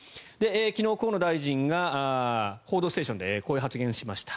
昨日、河野大臣が「報道ステーション」でこういう発言をしました。